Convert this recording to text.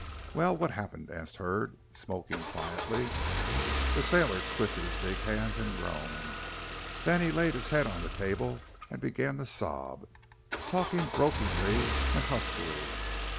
"Well, what happened?" asked Hurd, smoking quietly. The sailor twisted his big hands and groaned. Then he laid his head on the table and began to sob, talking brokenly and huskily.